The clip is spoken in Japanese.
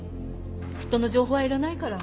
人の情報はいらないから。